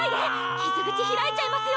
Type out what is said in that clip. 傷口開いちゃいますよ！